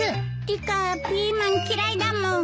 リカピーマン嫌いだもん。